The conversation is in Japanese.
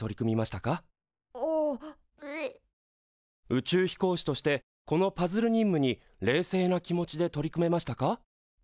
宇宙飛行士としてこのパズル任務に冷静な気持ちで取り組めましたか？